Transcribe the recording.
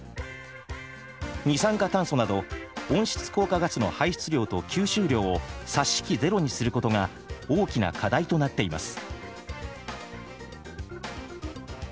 二酸化炭素など温室効果ガスの排出量と吸収量を差し引きゼロにすることが大きな課題となっています。